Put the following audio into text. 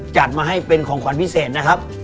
จัดมาให้เป็นของขวัญพิเศษนะครับ